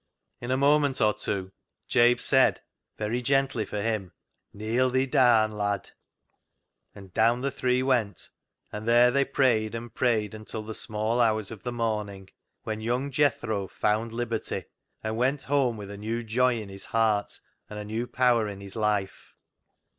In a moment or two Jabe said, very gently for him —" Kneel thi daan, lad." And down the three went, and there they prayed and prayed until the small hours of the morning, when young Jethro " found liberty," and went home with a new joy in his heart and a new power in his life.